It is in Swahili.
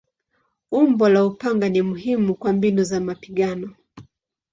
Umbo la upanga ni muhimu kwa mbinu za mapigano.